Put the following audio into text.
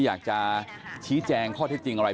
อยากจะชี้แจงข้อเท็จจริงอะไร